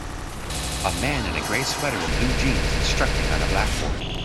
A man in a gray sweater and blue jeans instructing on a blackboard.